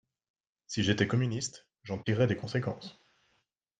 Si j’étais communiste, j’en tirerais des conséquences.